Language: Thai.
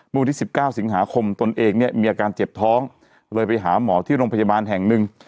วันที่๑๙สิงหาคมตนเองเนี่ยมีอาการเจ็บท้องเลยไปหาหมอที่โรงพยาบาลแห่งหนึ่ง